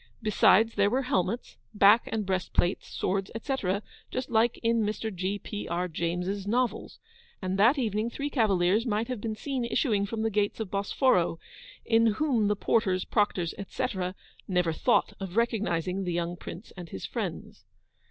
Besides, there were helmets, back and breast plates, swords, etc., just like in Mr. G. P. R. James's novels; and that evening three cavaliers might have been seen issuing from the gates of Bosforo, in whom the porters, proctors, etc., never thought of recognising the young Prince and his friends.